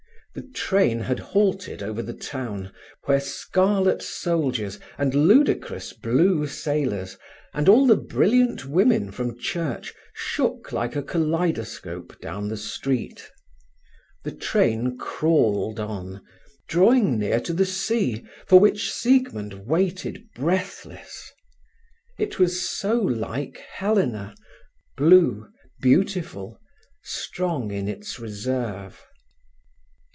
The train had halted over the town, where scarlet soldiers, and ludicrous blue sailors, and all the brilliant women from church shook like a kaleidoscope down the street. The train crawled on, drawing near to the sea, for which Siegmund waited breathless. It was so like Helena, blue, beautiful, strong in its reserve.